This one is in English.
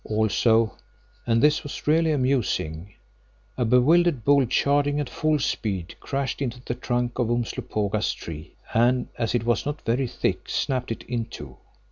Also, and this was really amusing—a bewildered bull charging at full speed, crashed into the trunk of Umslopogaas' tree, and as it was not very thick, snapped it in two.